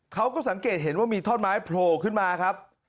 เขาก็สังเกตเห็นว่ามีท่อนไม้โผล่ขึ้นมาครับ